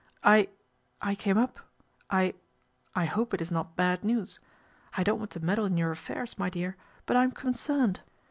" I I came up I I hope it is not bad news. I don't want to meddle in your affairs, my dear ; but I am concerned.